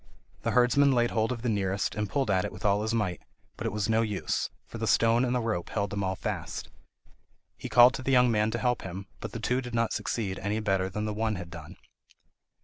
The herdsman laid hold of the nearest, and pulled at it with all his might, but it was no use, for the stone and the rope held them all fast. He called to the young man to help him, but the two did not succeed any better than the one had done.